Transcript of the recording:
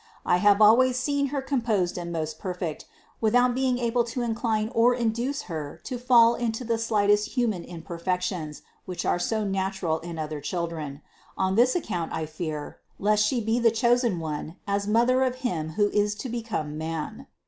I have always seen Her composed and most perfect, without being able to incline or induce Her to fall into the slightest human imperfec tions, which are so natural in the other children. On this account I fear, lest She be the one chosen as Mother of Him who is to become Man."